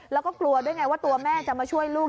แล้วก็กลัวด้วยไงว่าตัวแม่จะมาช่วยลูก